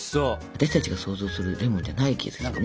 私たちが想像するレモンじゃない気がするね。